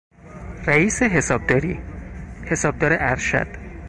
رئیس حسابداری، حسابدار ارشد